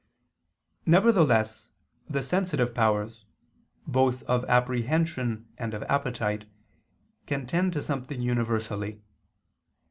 Nevertheless the sensitive powers, both of apprehension and of appetite, can tend to something universally.